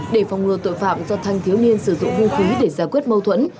để phòng ngừa tội phạm do thanh thiếu niên sử dụng hung khí để giải quyết mâu thuẫn